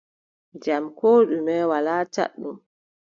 Jam koo ɗume, walaa caɗɗum.